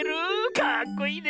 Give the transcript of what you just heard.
かっこいいね！